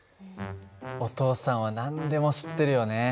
お父さんは何でも知ってるよね。